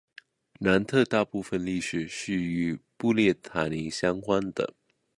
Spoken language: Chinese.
南特大部分历史是与布列塔尼相关的。